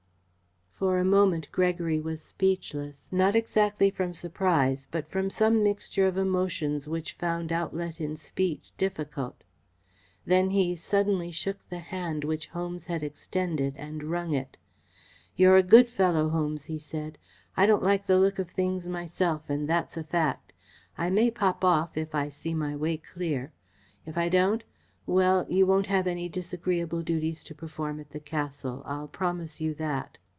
For a moment Gregory was speechless not exactly from surprise but from some mixture of emotions which found outlet in speech difficult. Then he suddenly took the hand which Holmes had extended and wrung it. "You're a good fellow, Holmes," he said. "I don't like the look of things myself, and that's a fact. I may pop off, if I see my way clear. If I don't well, you won't have any disagreeable duties to perform at the Castle. I'll promise you that."